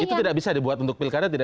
itu tidak bisa dibuat untuk pilkada tidak